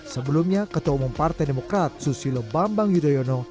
sebelumnya ketua umum partai demokrat susilo bambang yudhoyono